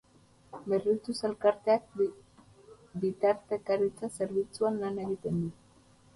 Berrituz elkarteak bitartekaritza zerbitzuan lan egiten du.